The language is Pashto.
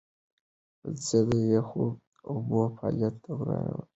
زه د یخو اوبو فعالیت د رواني آرامۍ لپاره خوښوم.